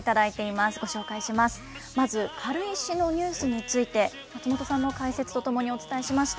まず、軽石のニュースについて、松本さんの解説とともにお伝えしました。